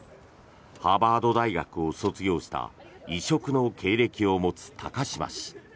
ハーバード大学を卒業した異色の経歴を持つ高島氏。